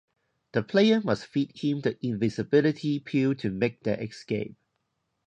The player must feed him the invisibility pill to make their escape.